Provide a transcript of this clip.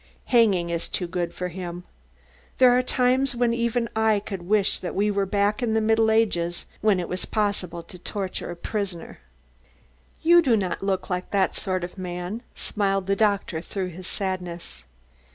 Hanging is too good for him. There are times when even I could wish that we were back in the Middle Ages, when it was possible to torture a prisoner. "You do not look like that sort of a man," smiled the doctor through his sadness.